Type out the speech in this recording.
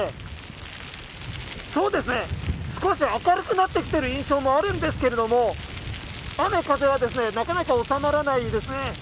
そうですね、少し明るくなってきた印象はあるんですけれども、雨風はなかなか収まらないですね。